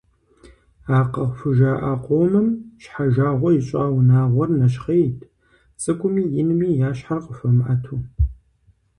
А къыхужаӀэ къомым щхьэжагъуэ ищӀа унагъуэр нэщхъейт, цӀыкӀуми инми я щхьэр къахуэмыӀэту.